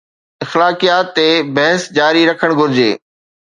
اخلاقيات تي بحث جاري رکڻ گهرجي.